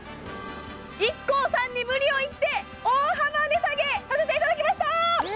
ＩＫＫＯさんに無理を言って大幅値下げさせていただきました！